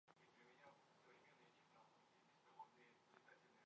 Ик жап эрта, Епись Когой Макси Пӧтыр деч чоян колхозыш пура.